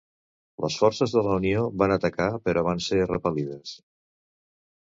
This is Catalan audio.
Les forces de la Unió van atacar però van ser repel·lides.